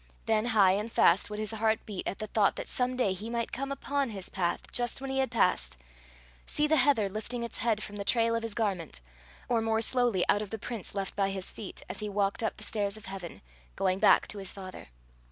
Then high and fast would his heart beat at the thought that some day he might come upon his path just when he had passed, see the heather lifting its head from the trail of his garment, or more slowly out of the prints left by his feet, as he walked up the stairs of heaven, going back to his Father.